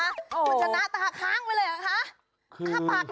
คุณจะหน้าตาค้างไปเลยหรือคะ